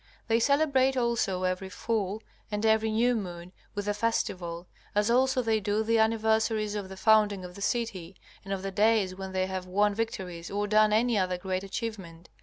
They celebrate also every full and every new moon with a festival, as also they do the anniversaries of the founding of the city, and of the days when they have won victories or done any other great achievement.